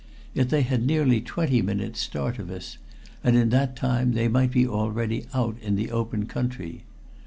Yet they had nearly twenty minutes start of us, and in that time they might be already out in the open country.